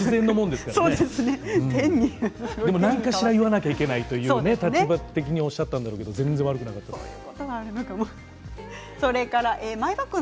でも何かしら言わなきゃいけないという立場的におっしゃったんだと思うんですけど全然悪くない。